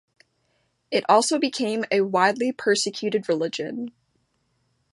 It also became a widely persecuted religion.